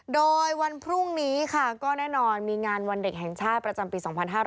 โดยวันพรุ่งนี้ค่ะก็แน่นอนมีงานวันเด็กแห่งชาติประจำปี๒๕๕๙